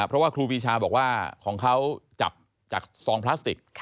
เพราะว่าครูปีชาบอกว่าของเขาจับจากซองพลาสติก